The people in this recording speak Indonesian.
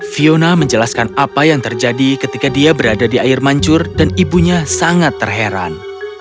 fiona menjelaskan apa yang terjadi ketika dia berada di air mancur dan ibunya sangat terheran